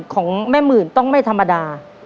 ของแม่หมื่นต้องไม่ธรรมดา